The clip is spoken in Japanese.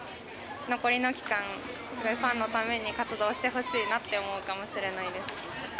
残りの期間、ファンのために活動してほしいなと思うかもしれないです。